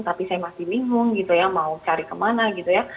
tapi saya masih bingung gitu ya mau cari kemana gitu ya